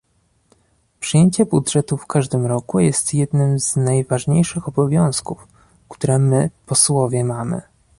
Przyjęcie budżetu w każdym roku jest jednym z najważniejszych obowiązków, które my, posłowie mamy